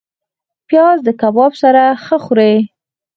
پیاز د کباب سره ښه خوري